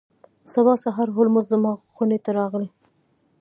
سبا سهار هولمز زما خونې ته راغی.